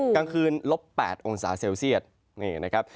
กลางคืนลบ๘องศาเซลเซียตนี่นะครับ